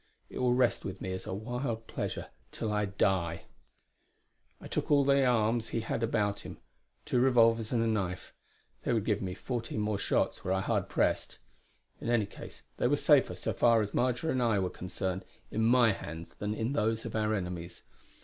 It will rest with me as a wild pleasure till I die. I took all the arms he had about him, two revolvers and a knife; they would give me fourteen more shots were I hard pressed. In any case they were safer, so far as Marjory and I were concerned, in my hands than in those of our enemies.